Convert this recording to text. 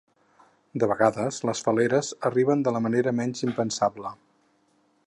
De vegades, les fal·leres arriben de la manera menys impensable.